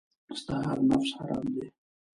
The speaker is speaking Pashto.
ستا هر نفس حرام دی .